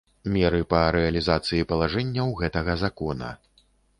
Меры па рэалiзацыi палажэнняў гэтага Закона